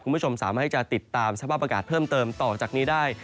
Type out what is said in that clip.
คุณผู้ชมสามารถให้จะติดตามสภาพอากาศเพิ่มเติมต่อจากนี้ได้